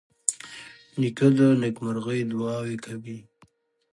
نیکه د نیکمرغۍ دعاوې کوي.